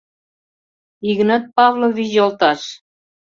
— Игнат Павлович йолташ!